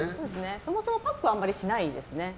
そもそもパックをあまりしないですね。